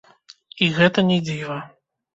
І гэта не дзіва.